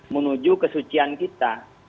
menuju kesucian kita